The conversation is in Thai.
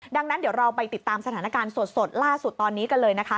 ดังนั้นเดี๋ยวเราไปติดตามสถานการณ์สดล่าสุดตอนนี้กันเลยนะคะ